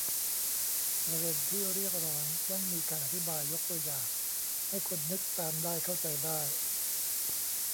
ประเด็นที่เรียกร้องต้องมีการอธิบายยกตัวอย่างให้คนนึกตามได้เข้าใจได้